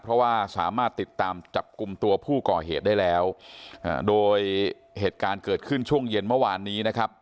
เพราะว่าสามารถติดตามจับกลุ่มตัวผู้ก่อเหตุได้แล้วโดยเหตุการณ์เกิดขึ้นช่วงเย็นเมื่อวานนี้นะครับ